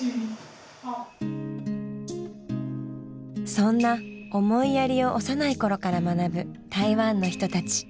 そんな思いやりを幼い頃から学ぶ台湾の人たち。